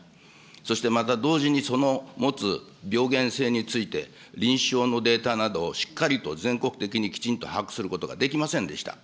そしてまた同時に、その持つ病原性について、臨床のデータなど、しっかりと全国的にきちんと把握することができませんでした。